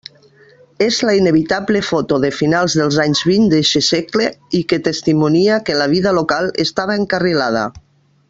És la inevitable foto de finals dels anys vint d'eixe segle i que testimonia que la vida local estava encarrilada.